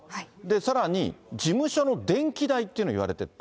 さらに事務所の電気代っていうのをいわれていて。